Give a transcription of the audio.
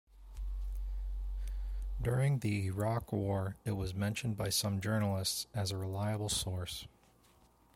During the Iraq War, it was mentioned by some journalists as a reliable source.